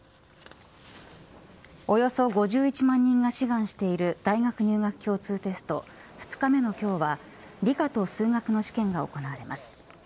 およそ５１万人が志願している大学入学共通テスト２日目の今日は理科と数学の試験が行われます。